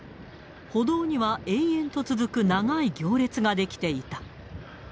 歩道には延々と続く長い行列が出来ていた。